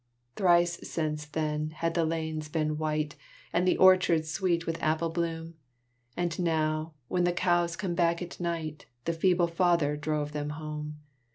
Thrice since then had the lanes been white, And the orchards sweet with apple bloom; And now, when the cows came back at night, The feeble father drove them home.